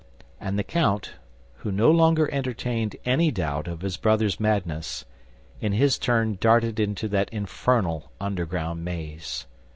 And the count, who no longer entertained any doubt of his brother's madness, in his turn darted into that infernal underground maze.